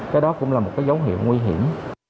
cái đó cũng là một cái dấu hiệu nguy hiểm